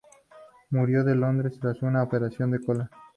Murió en Londres tras una operación de colon.